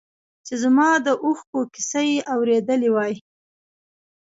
چې زما د اوښکو کیسه یې اورېدی وای.